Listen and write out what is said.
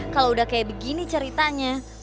kalau udah kayak begini ceritanya